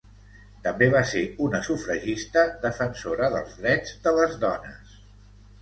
També va ser una sufragista, defensora dels drets de les dones.